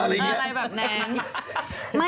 อะไรแบบนั้น